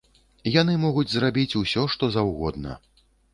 Яны могуць зрабіць усё, што заўгодна.